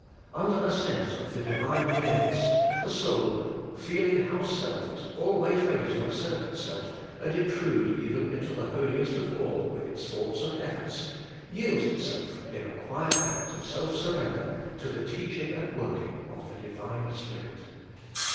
Under a sense of the Divine nearness, the soul, feeling how self is always ready to assert itself, and intrude even into the holiest of all with its thoughts and efforts, yields itself in a quiet act of self surrender to the teaching and working of the Divine Spirit.